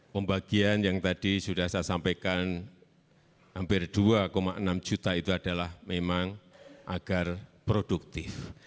pembagian yang tadi sudah saya sampaikan hampir dua enam juta itu adalah memang agar produktif